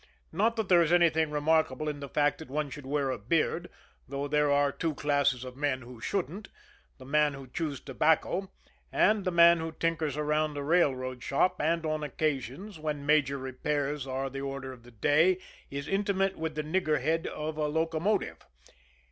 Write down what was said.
Not that there is anything remarkable in the fact that one should wear a beard, though there are two classes of men who shouldn't the man who chews tobacco, and the man who tinkers around a railroad shop and on occasions, when major repairs are the order of the day, is intimate with the "nigger head" of a locomotive.